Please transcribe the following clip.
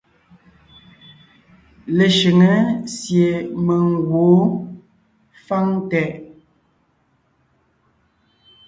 Leshʉŋé sie mèŋ gwǒon fáŋ tɛʼ.